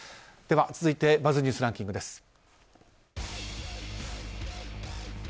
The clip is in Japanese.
では、続いてＢｕｚｚニュースランキングです。